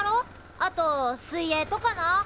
あと水泳とかな。